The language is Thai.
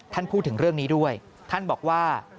ท่านพูดถึงเรื่องนี้ด้วยท่านบอกว่า